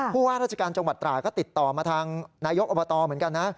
ว่าราชการจังหวัดตราก็ติดต่อมาทางนายกอบตเหมือนกันนะ